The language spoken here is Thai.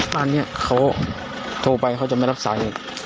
บ้านนี้เขาโทรไปเขาจะไม่รับสาเหตุ